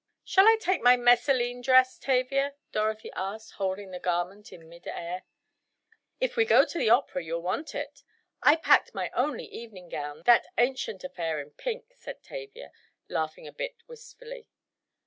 "Shall I take my messaline dress, Tavia?" Dorothy asked, holding the garment in mid air. "If we go to the opera you'll want it; I packed my only evening gown, that ancient affair in pink," said Tavia, laughing a bit wistfully.